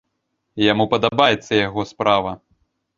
Яму падабаецца яго справа.